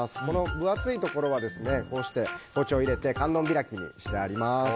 分厚いところはこうして包丁を入れて観音開きにしてあります。